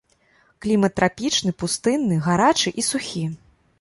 Клімат трапічны, пустынны, гарачы і сухі.